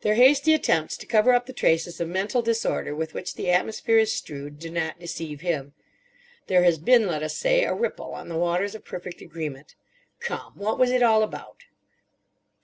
Their hasty attempts to cover up the traces of mental disorder with which the atmosphere is strewed do not deceive him. There has been, let us say, a ripple on the waters of perfect agreement. Come! What was it all about?